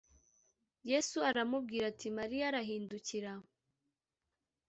Yesu aramubwira ati Mariya Arahindukira